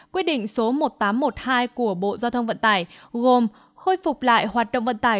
quy định số một nghìn tám trăm một mươi hai của bộ giao thông vận tài gồm khôi phục lại hoạt động vận tài